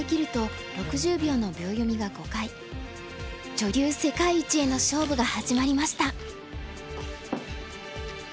女流世界一への勝負が始まりました。